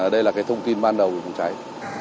đây là cái thông tin ban đầu của đám cháy